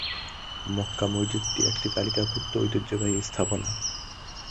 মক্কা মসজিদটি একটি তালিকাভুক্ত ঐতিহ্যবাহী স্থাপনা।